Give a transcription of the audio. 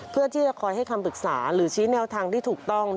เพื่อที่จะคอยให้คำปรึกษาหรือชี้แนวทางที่ถูกต้อง